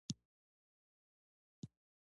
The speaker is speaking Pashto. دځنګل حاصلات د افغان ماشومانو د لوبو موضوع ده.